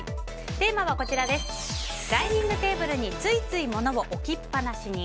テーマはダイニングテーブルについついモノを置きっぱなしに。